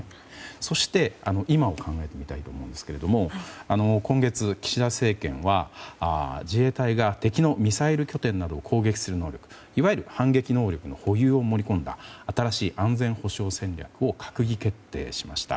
そして、今を考えてみたいと思いますが今月、岸田政権は自衛隊が敵のミサイル拠点などを攻撃する能力いわゆる反撃能力の保有を盛り込んだ新しい安全保障戦略を閣議決定しました。